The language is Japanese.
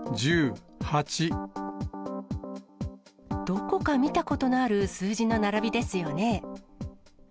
どこか見たことのある数字の並びですよね。